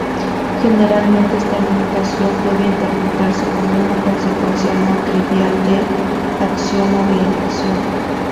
Generalmente, esta limitación puede interpretarse como una consecuencia no-trivial del axioma de elección.